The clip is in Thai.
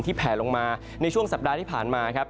แผลลงมาในช่วงสัปดาห์ที่ผ่านมาครับ